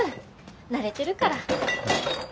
慣れてるから。